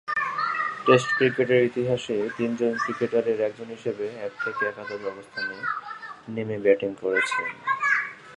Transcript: Test ক্রিকেটের ইতিহাসে তিনজন ক্রিকেটারের একজন হিসেবে এক থেকে একাদশ অবস্থানে নেমে ব্যাটিং করেছেন।